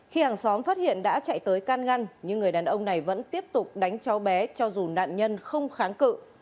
khi hàng xóm phát hiện đã chạy tới can ngăn nhưng người đàn ông này vẫn tiếp tục đánh cháu bé cho dù nạn nhân không kháng cự